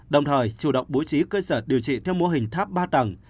đồng thời chủ động bố trí cơ sở điều trị theo mô hình tháp ba tầng